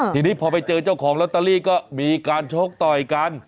ทีนี้พอไปเจอเจ้าของลอตเตอรี่ก็มีการชกต่อยกัน